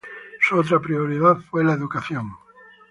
Su otra prioridad fue la educación.